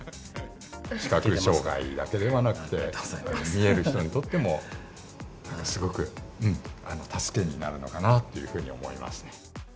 視覚障がいだけではなくて、見える人にとってもすごく助けになるのかなというふうに思いますね。